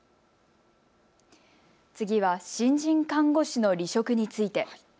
次は新人看護師の離職について。